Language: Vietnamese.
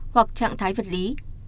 hoặc trạng thái vật lý